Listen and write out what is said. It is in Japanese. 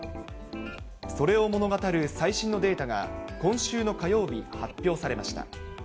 それを物語る最新のデータが、今週の火曜日、発表されました。